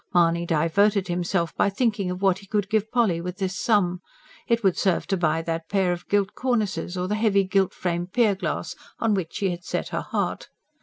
Mahony diverted himself by thinking of what he could give Polly with this sum. It would serve to buy that pair of gilt cornices or the heavy gilt framed pierglass on which she had set her heart.